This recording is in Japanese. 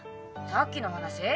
さっきの話？